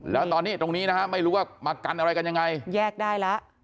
แล้วตอนนี้ตรงนี้นะฮะไม่รู้ว่ามากันอะไรกันยังไงแยกได้แล้ว